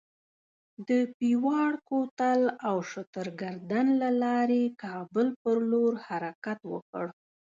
د پیواړ کوتل او شترګردن له لارې کابل پر لور حرکت وکړ.